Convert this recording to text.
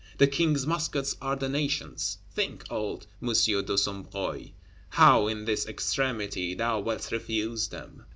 The King's Muskets are the Nation's; think, old M. de Sombreuil, how, in this extremity, thou wilt refuse them!